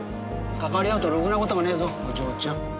かかわり合うとろくな事がねえぞお嬢ちゃん。